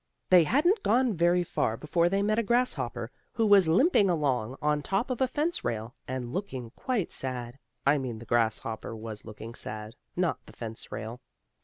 They hadn't gone very far before they met a grasshopper, who was limping along on top of a fence rail, and looking quite sad I mean the grasshopper was looking sad, not the fence rail.